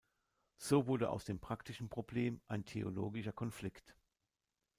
So wurde aus dem praktischen Problem ein theologischer Konflikt.